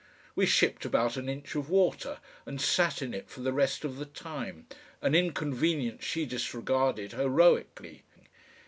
We shipped about an inch of water and sat in it for the rest of the time, an inconvenience she disregarded heroically.